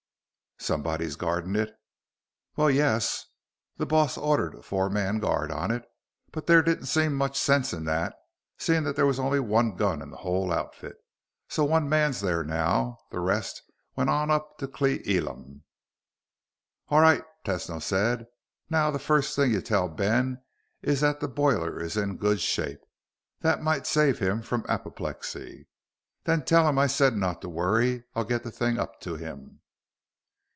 "Somebody's guarding it?" "Well, yes. The boss ordered a four man guard on it, but there didn't seem much sense in that since there was only one gun in the whole outfit. So one man's there now. The rest went on up to Cle Elum." "All right," Tesno said. "Now the first thing you tell Ben is that the boiler is in good shape. That might save him from apoplexy. Then tell him I said not to worry. I'll get the thing up to him."